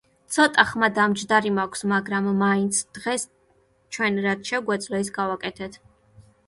ცოტა ხმა დამჯდარი მაქვს, მაგრამ მაინც დღეს ჩვენ რაც შეგვეძლო ის გავაკეთეთ.